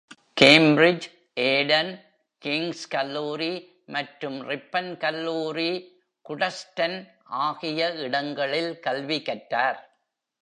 Cambridge, Eton, Kings கல்லூரி மற்றும் Ripon கல்லூரி குடெஸ்டன் ஆகிய இடங்களில் கல்வி கற்றார்.